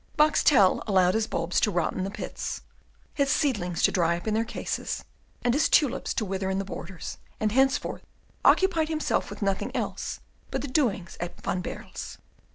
Boxtel allowed his bulbs to rot in the pits, his seedlings to dry up in their cases, and his tulips to wither in the borders and henceforward occupied himself with nothing else but the doings at Van Baerle's.